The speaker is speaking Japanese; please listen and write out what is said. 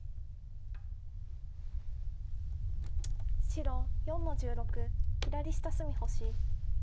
白４の十六左下隅星。